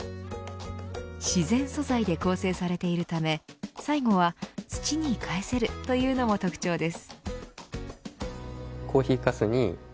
自然素材で構成されているため最後は土に返せるというのも特徴です。